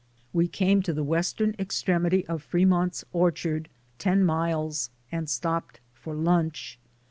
We came to the west ern extremity of Fremont's Orchard, ten miles, and stopped for lunch.